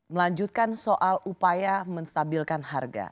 melanjutkan soal upaya menstabilkan harga